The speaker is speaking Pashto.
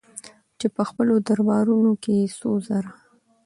چې په خپلو دربارونو کې يې څو زره